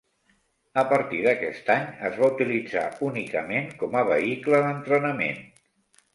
A partir d'aquest any es va utilitzar únicament com a vehicle d'entrenament.